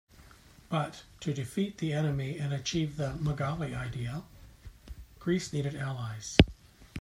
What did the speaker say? But to defeat the enemy and achieve the "Megali Idea", Greece needed allies.